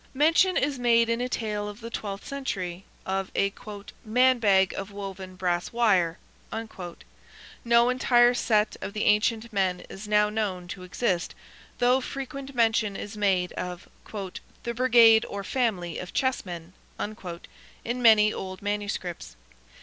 Mention is made in a tale of the twelfth century of a "man bag of woven brass wire." No entire set of the ancient men is now known to exist, though frequent mention is made of "the brigade or family of chessmen," in many old manuscripts.